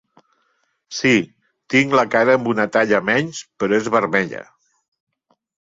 Sí, tinc la cara amb una talla menys, però és vermella.